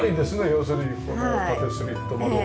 要するにこの縦スリット窓は。